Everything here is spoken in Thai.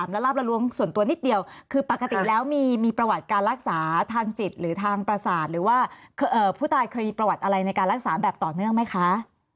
มีอาการประสาทหรือว่าผู้ตายเคยมีประวัติอะไรในการรักษาแบบต่อเนื่องไหมคะ